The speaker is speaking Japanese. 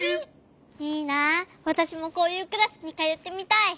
いいなわたしもこういうクラスにかよってみたい。